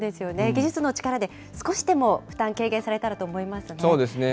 技術の力で少しでも負担、軽減されたらと思いますね。